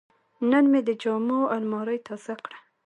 نن مې د جامو الماري تازه کړه.